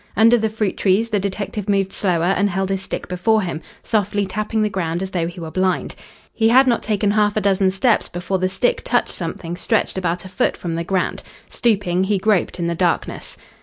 Under the fruit trees the detective moved slower and held his stick before him, softly tapping the ground as though he were blind. He had not taken half a dozen steps before the stick touched something stretched about a foot from the ground. Stooping, he groped in the darkness.